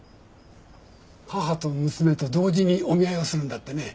母と娘と同時にお見合いをするんだってね。